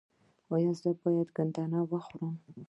ایا زه باید ګندنه وخورم؟